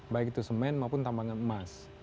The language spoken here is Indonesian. baik itu semen maupun tambangan emas